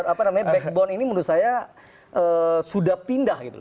apa namanya backbone ini menurut saya sudah pindah gitu